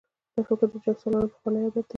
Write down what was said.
دا فکر د جنګسالارانو پخوانی عادت دی.